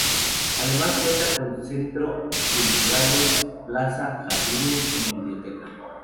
Además cuenta con centro culturales, plaza, jardines y biblioteca.